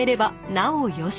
なお良し。